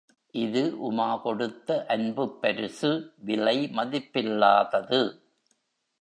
இது உமா கொடுத்த அன்புப் பரிசு விலை மதிப்பில்லாதது!